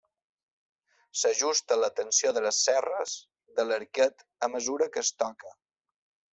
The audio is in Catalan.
S’ajusta la tensió de les cerres de l’arquet a mesura que es toca.